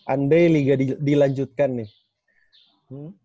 andai liga dilanjutkan nih